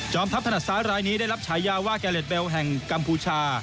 จอมทัพธนาศาลรายนี้ได้รับชายาว่ากาเล็ตเบลแห่งกัมพูชา